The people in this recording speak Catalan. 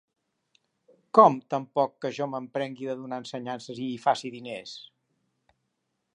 Com tampoc que jo m'emprengui de donar ensenyances i hi faci diners;